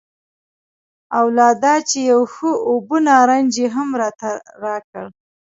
او لا دا چې یو ښه اوبه نارنج یې هم راته راکړ.